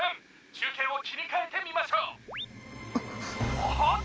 「中継を切り替えてみましょう」あっ。